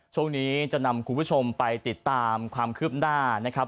ช่วงนี้จะนำคุณผู้ชมไปติดตามความคืบหน้านะครับ